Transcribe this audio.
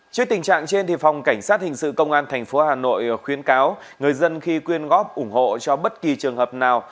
trước tình trạng trên phòng cảnh sát thinh sự công an tp hcm khuyến cáo người dân khi quyên góp ủng hộ cho bất kỳ trường hợp nào